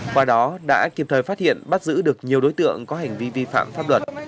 qua đó đã kịp thời phát hiện bắt giữ được nhiều đối tượng có hành vi vi phạm pháp luật